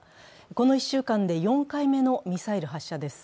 この１週間で４回目のミサイル発射です。